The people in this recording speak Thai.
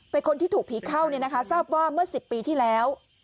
เป็นคนที่ถูกผีเข้าเนี้ยนะคะทราบว่าเมื่อสิบปีที่แล้ว